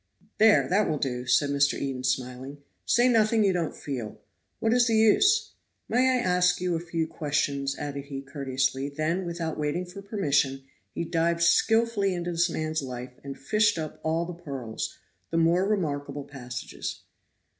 "There, that will do," said Mr. Eden smiling, "say nothing you don't feel; what is the use? May I ask you a few questions," added he, courteously; then, without waiting for permission, he dived skillfully into this man's life, and fished up all the pearls the more remarkable passages.